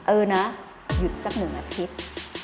เออนะหยุดสัก๑อาทิตย์